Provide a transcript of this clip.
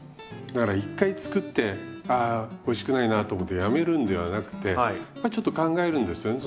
だから１回作って「あおいしくないな」と思ってやめるんではなくてまあちょっと考えるんですよね